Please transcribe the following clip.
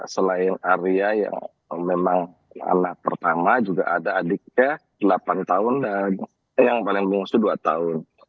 selain arya yang memang anak pertama juga ada adiknya delapan tahun dan yang paling bungsu dua tahun